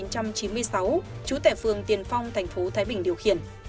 trú tại phường tiền phong thành phố thái bình điều khiển